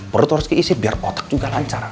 perut harus diisi biar otak juga lancar